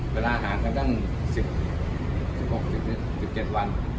เวลาอาหารกะเด้น๑๖๑๗วัน